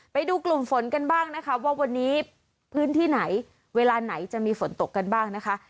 ไปดูกลุ่มฝนกันบ้างนะคะว่าวันนี้พื้นที่ไหนเวลาไหนจะมีฝนตกกันบ้างนะคะ